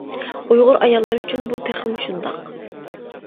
ئۇيغۇر ئاياللىرى ئۈچۈن بۇ تېخىمۇ شۇنداق.